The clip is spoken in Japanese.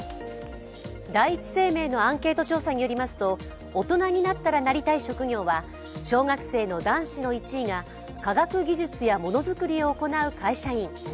第一生命のアンケート調査によりますと、大人になったらなりたい職業は小学生の男子の１位が科学技術やものづくりを行う会社員。